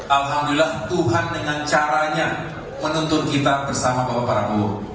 alhamdulillah tuhan dengan caranya menuntut kita bersama bapak prabowo